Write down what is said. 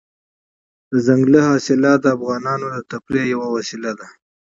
دځنګل حاصلات د افغانانو د تفریح یوه وسیله ده.